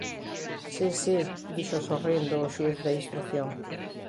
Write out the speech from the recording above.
—Si, si —dixo, sorrindo, o xuíz de instrución—.